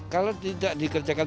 kalau tidak dikerjakan